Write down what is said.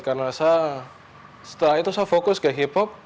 karena saya setelah itu saya fokus ke hip hop